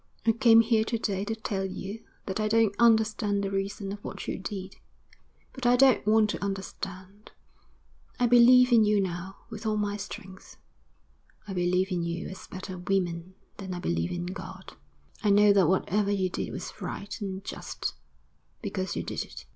'I came here to day to tell you that I don't understand the reason of what you did; but I don't want to understand. I believe in you now with all my strength. I believe in you as better women than I believe in God. I know that whatever you did was right and just because you did it.'